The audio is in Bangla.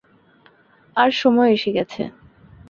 আর সময় এসে গেছে।